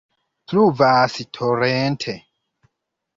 Pluvas torente.